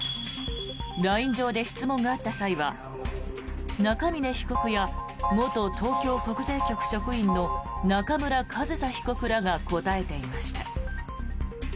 ＬＩＮＥ上で質問があった際は中峯被告や元東京国税局職員の中村上総被告らが答えていました。